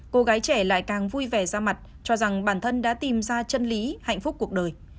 cô gái trẻ lại càng vui vẻ ra mặt cho rằng bản thân đã tìm ra chân lý hạnh phúc cuộc đời